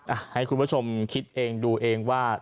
ให้คุณผู้ชมคิดเองดูเองว่า